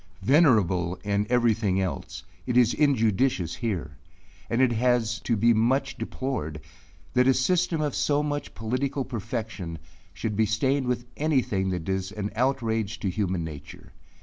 Venerable in every thing else, it is injudicious here; and it is to be much deplored, that a system of so much political perfection, should be stained with any thing that does an outrage to human nature.